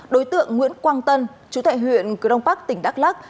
đối tượng nguyễn quang tân chú thại huyện cửu đông bắc tỉnh đắk lắc